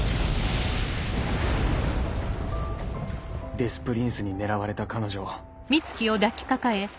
デス・プリンスに狙われた彼女を